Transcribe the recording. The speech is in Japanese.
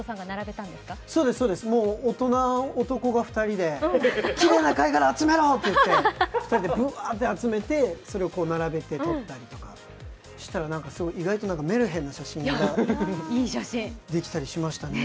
そうです、大人、男が２人できれいな貝殻、集めろって２人で集めて、それを並べて撮ったりとかしたら、意外とメルヘンな写真ができたりしましたね。